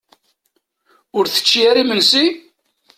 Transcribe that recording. Ur tečči ara imensi?